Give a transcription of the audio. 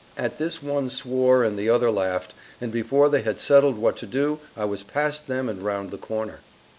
At this one swore and the other laughed; and before they had settled what to do, I was past them and round the corner.